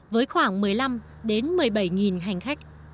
với khoảng một mươi năm một mươi bảy hành khách